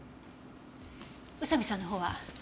宇佐見さんの方は？